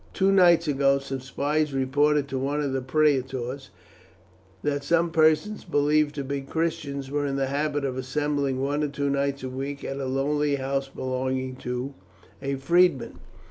Two nights ago some spies reported to one of the praetors that some persons, believed to be Christians, were in the habit of assembling one or two nights a week at a lonely house belonging to a freedman.